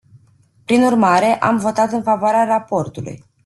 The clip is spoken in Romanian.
Prin urmare, am votat în favoarea raportului.